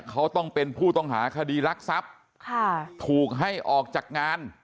เขาต้องเป็นผู้ต้องหาคดีรักทรัพย์ถูกให้ออกจากงาน